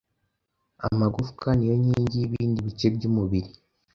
Amagufa niyo nkingi y’ibindi bice by’umubiri